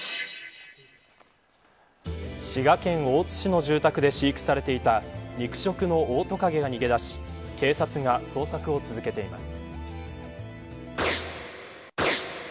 滋賀県大津市の住宅で飼育されていた肉食のオオトカゲが逃げ出し警察が捜索を続けています。